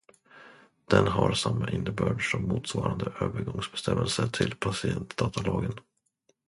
Den har samma innebörd som motsvarande övergångsbestämmelse till patientdatalagen.